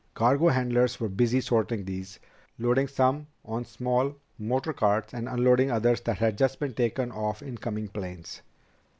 Cargo handlers were busy sorting these, loading some on small motor carts and unloading others that had just been taken off incoming planes.